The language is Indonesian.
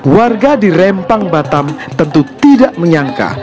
warga di rempang batam tentu tidak menyangka